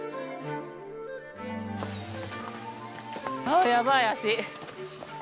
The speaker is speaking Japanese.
あっやばい足。